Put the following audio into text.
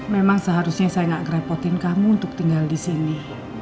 memang seharusnya saya nggak ngerepotin kamu untuk tinggal di sini